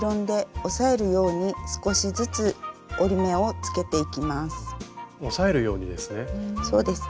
押さえるようにですね。